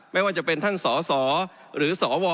ไม่ว่าจะเป็นท่านสสหรือสว